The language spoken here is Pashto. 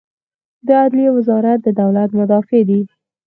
د عدلیې وزارت د دولت مدافع دی